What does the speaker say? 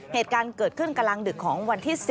เหตุการณ์เกิดขึ้นกลางดึกของวันที่๔